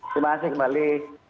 terima kasih kembali